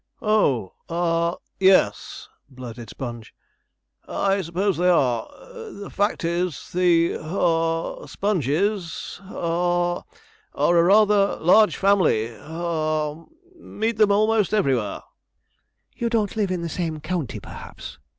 'Oh ah yes,' blurted Sponge: 'I suppose they are. The fact is the haw Sponges haw are a rather large family haw. Meet them almost everywhere.' 'You don't live in the same county, perhaps?'